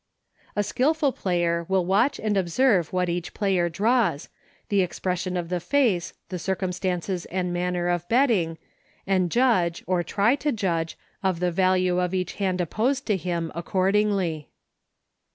A skilful player will watch and observe what each player draws, the expression of the face, the circumstances and manner of betting, and judge, or try to judge, of the value of each hand opposed to him accordingly.